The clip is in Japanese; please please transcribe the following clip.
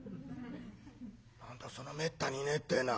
「何だそのめったにねえってえのは」。